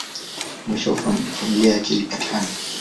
Mwishowe, familia yake ilipatikana.